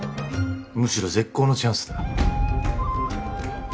むしろ絶好のチャンスだ